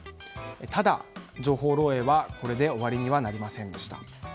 ただ、情報漏洩はこれで終わりにはなりませんでした。